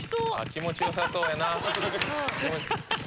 気持ちよさそうやな。